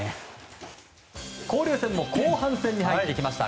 交流戦も後半に入ってきました。